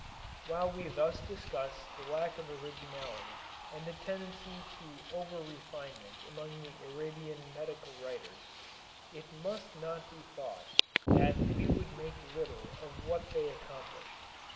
While we thus discuss the lack of originality and the tendency to over refinement among the Arabian medical writers, it must not be thought that we would make little of what they accomplished.